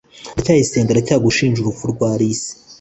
ndacyayisenga aracyagushinja urupfu rwa alice